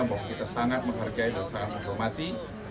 bahwa kita sangat menghargai dan sangat menghormati